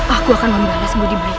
aku akan membalasmu di baik